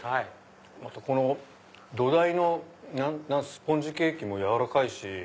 またこの土台のスポンジケーキも軟らかいし。